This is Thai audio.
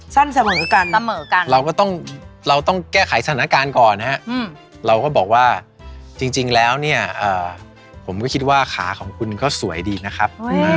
สั้นเสมอกันเสมอกันเราก็ต้องเราต้องแก้ไขสถานการณ์ก่อนนะฮะเราก็บอกว่าจริงแล้วเนี่ยผมก็คิดว่าขาของคุณก็สวยดีนะครับ